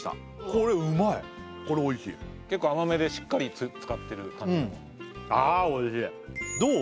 これうまいこれおいしい結構甘めでしっかり漬かってる感じのうんああおいしいどう？